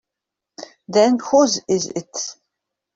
Then whose is it?